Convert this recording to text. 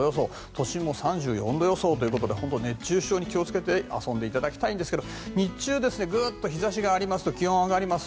都心も３４度予想ということで熱中症に気を付けて遊んでいただきたいんですが日中、ぐっと日差しがありますと気温が上がります。